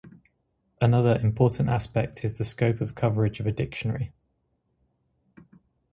Another important aspect is the scope of coverage of a dictionary.